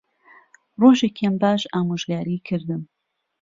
ڕۆژێکیان باش ئامۆژگاریی کردم